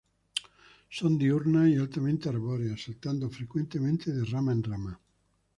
Son diurnas y altamente arbóreas, saltando frecuentemente de rama en rama.